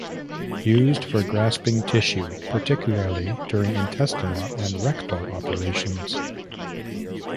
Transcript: Used for grasping tissue, particularly during intestinal and rectal operations.